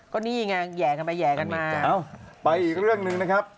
ก็นี่ไงแห่กันไปแห่กันมาเอ้าไปอีกเรื่องหนึ่งนะครับ